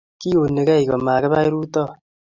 kiunigei komakipa rutoi